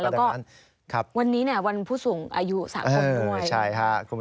แล้วก็วันนี้วันผู้สูงอายุ๓คนด้วยใช่ค่ะ